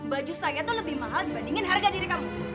baju saya tuh lebih mahal dibandingin harga diri kamu